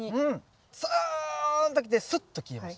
ツーンときてスッと消えました。